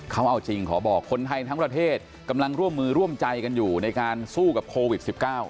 เขาเอาจริงขอบอกคนไทยทั้งประเทศกำลังร่วมมือร่วมใจกันอยู่ในการสู้กับโควิด๑๙